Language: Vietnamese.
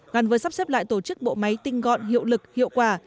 gắn với sắp xếp lại tổ chức bộ máy tinh gọn hiệu lực hiệu quả